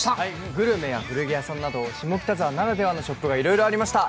グルメや古着屋さんなど下北沢ならではのお店がいっぱいありました。